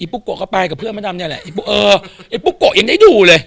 อีปุกโก๋ก็ไปกับเพื่อนมะดำเนี่ยแหละอีปุวอ่ะบปุกโก๋ยังได้ดูเลย